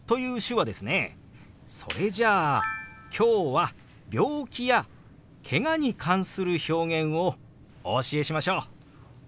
それじゃあ今日は病気やけがに関する表現をお教えしましょう！